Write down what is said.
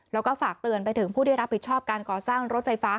แล้วก็ฝากเตือนไปถึงผู้ที่รับผิดชอบการก่อสร้างรถไฟฟ้า